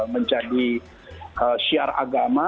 menjadi syiar agama